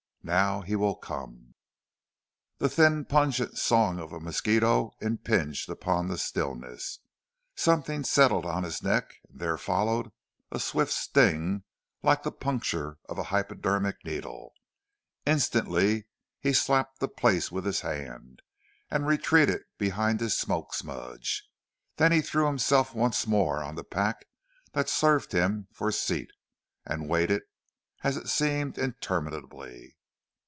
"Now, he will come." The thin pungent song of a mosquito impinged upon the stillness, something settled on his neck and there followed a swift sting like the puncture of a hypodermic needle. Instantly he slapped the place with his hand, and retreated behind his smoke smudge. There he threw himself once more on the pack that served him for seat and waited, as it seemed interminably.